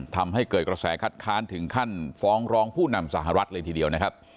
ทำให้เกิดกระแสคัดค้านถึงขั้นฟ้องร้องผู้นำสหรัฐเลยทีเดียวนะครับ